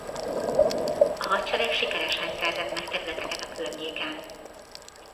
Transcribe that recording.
A hadsereg sikeresen szerzett meg területeket a környéken.